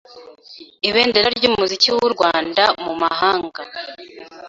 ibendera ry’umuziki w’u Rwanda mu mahanga